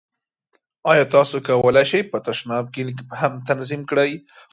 ایا تاسو کولی شئ په تشناب کې لیک هم تنظیم کړئ؟